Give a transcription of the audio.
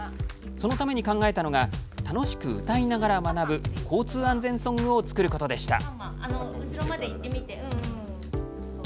そのために考えたのが楽しく歌いながら学ぶ交通安全ソングを作ることでした。